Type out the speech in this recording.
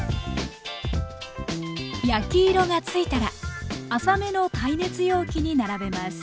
焼き色がついたら浅めの耐熱容器に並べます。